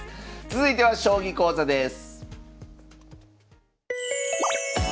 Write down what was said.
続いては将棋講座です。